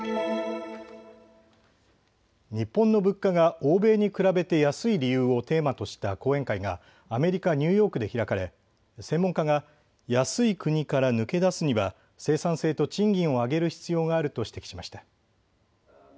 日本の物価が欧米に比べて安い理由をテーマとした講演会がアメリカ・ニューヨークで開かれ専門家が安い国から抜け出すには生産性と賃金を上げる必要があると指摘しました。